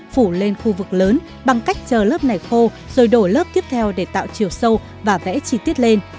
phủ lên khu vực lớn bằng cách chờ lớp này khô rồi đổi lớp tiếp theo để tạo chiều sâu và vẽ chi tiết lên